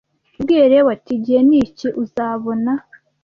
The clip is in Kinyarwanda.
Yabwiye Lewi ati igihe niki uzabona